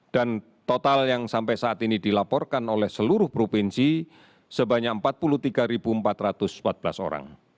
dan total yang sampai saat ini dilaporkan oleh seluruh provinsi sebanyak empat puluh tiga empat ratus empat belas orang